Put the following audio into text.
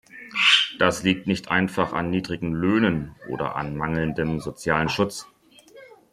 Das liegt nicht einfach an niedrigen Löhnen oder an mangelndem sozialen Schutz.